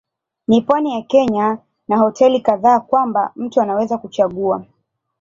Ni pwani ya Kenya na hoteli kadhaa kwamba mtu anaweza kuchagua.